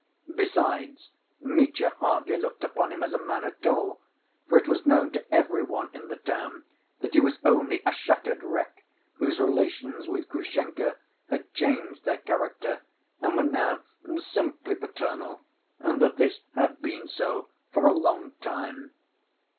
Besides, Mitya hardly looked upon him as a man at all, for it was known to every one in the town that he was only a shattered wreck, whose relations with Grushenka had changed their character and were now simply paternal, and that this had been so for a long time.